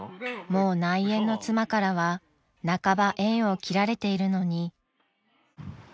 ［もう内縁の妻からは半ば縁を切られているのに］